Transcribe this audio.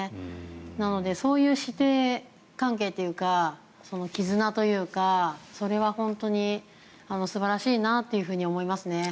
なので、そういう師弟関係というか絆というかそれは本当に素晴らしいなと思いますね。